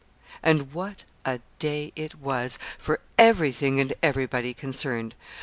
And what a day it was, for everything and everybody concerned!